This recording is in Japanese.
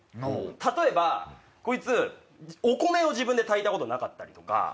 例えばコイツお米を自分で炊いたことなかったりとか。